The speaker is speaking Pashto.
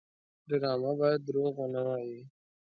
ډرامه باید دروغ ونه وایي